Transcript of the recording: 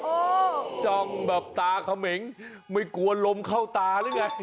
จ้องแบบตาเขมงไม่กลัวลมเข้าตาหรือไง